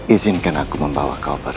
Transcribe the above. izinkan aku membawa kau baru